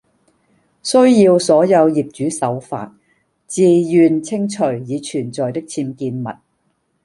需要所有業主守法，自願清除已存在的僭建物